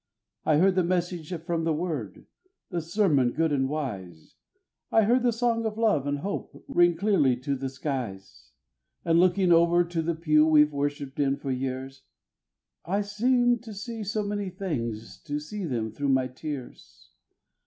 I heard the message from the Word, the sermon good and wise, I heard the songs of love and hope ring clearly to the skies; And looking over to the pew we've worshipped in for years, I seemed to see so many things, to see them through my tears.